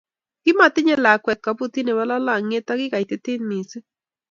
Kimatinye lakwet kabutit nebo lalangyet ako kikaitit mising